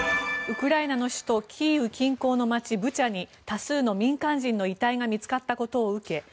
ウクライナの首都キーウ近郊の街ブチャに多数の民間人の遺体が見つかったことを受け